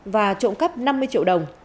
và trộm cắp năm mươi triệu đồng